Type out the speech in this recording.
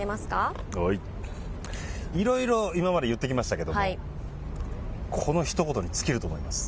いろいろ今まで言ってきましたけれども、このひと言に尽きると思います。